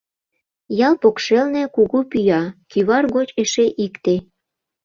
Ял покшелне кугу пӱя, кӱвар гоч эше икте.